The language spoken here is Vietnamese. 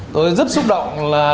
tôi rất xúc động là